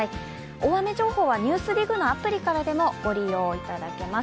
大雨情報はＮＥＷＳＤＩＧのアプリからでもご覧いただけます。